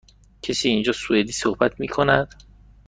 کسی اینجا سوئدی صحبت می کند؟